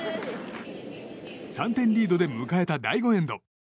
３点リードで迎えた第５エンド。